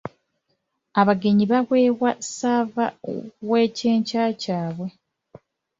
Abagenyi baweebwa ssava w’ekyenkya kyabwe.